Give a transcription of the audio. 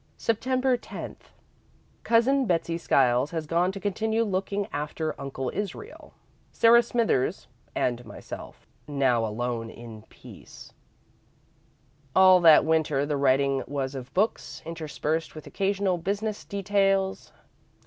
"Sept. 10. Cousin Betsey Skiles has gone to continue looking after Uncle Israel. Sarah Smithers and myself now alone in peace. All that Winter, the writing was of books, interspersed with occasional business details.